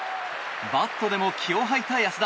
バットでも気を吐いた安田。